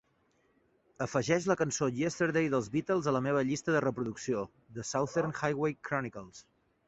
Afegeix la canço "Yesterday" dels "Beatles" a la meva llista de reproducció, "The Southern Highway Chronicles"